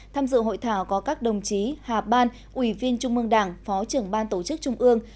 tham dự hội thảo có các đồng chí hà ban ủy viên trung mương đảng phó trưởng ban tổ chức trung ương